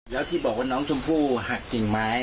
แล้วที่บอกว่าน้องชมพู่หักกิ่งไม้